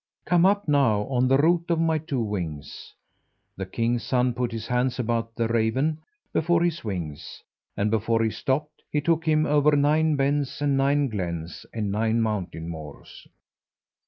Come up now on the root of my two wings." The king's son put his hands about the raven before his wings, and, before he stopped, he took him over nine Bens, and nine Glens, and nine Mountain Moors.